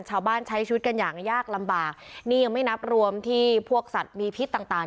ใช้ชีวิตกันอย่างยากลำบากนี่ยังไม่นับรวมที่พวกสัตว์มีพิษต่างต่าง